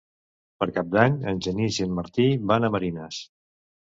Per Cap d'Any en Genís i en Martí van a Marines.